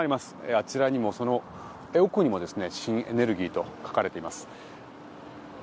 あちらにも、その奥にも新エネルギーと書かれています。